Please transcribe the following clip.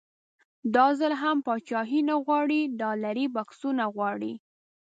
دا ځل هم پاچاهي نه غواړي ډالري بکسونه غواړي.